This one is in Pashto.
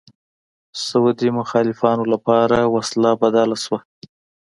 سعودي مخالفانو لپاره وسله بدله شوه